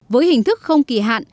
với hình thức không kỳ hạn